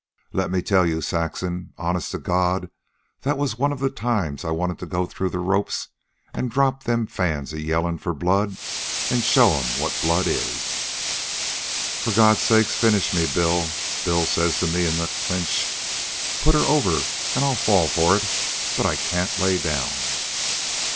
"Let me tell you, Saxon, honest to God, that was one of the times I wanted to go through the ropes an' drop them fans a yellin' for blood an' show 'em what blood is. "'For God's sake finish me, Bill,' Bill says to me in that clinch; 'put her over an' I'll fall for it, but I can't lay down.'